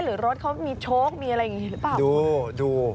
หรือรถเขามีโชคมีอะไรอย่างนี้หรือเปล่า